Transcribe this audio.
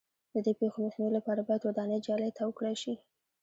د دې پېښو مخنیوي لپاره باید ودانۍ جالۍ تاو کړای شي.